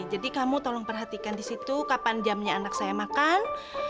jadi kamu tolong perhatikan disitu kapan jamnya anak saya makan